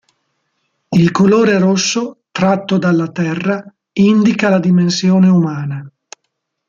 Il colore rosso, tratto dalla terra, indica la dimensione umana.